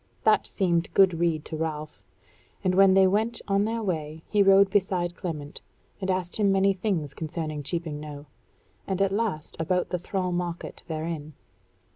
That seemed good rede to Ralph, and when they went on their way he rode beside Clement, and asked him many things concerning Cheaping Knowe; and at last about the thrall market therein.